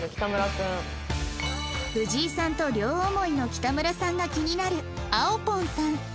藤井さんと両思いの北村さんが気になるあおぽんさん